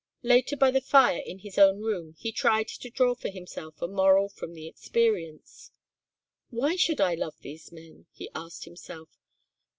Later by the fire in his own room he tried to draw for himself a moral from the experience. "Why should I love these men?" he asked himself.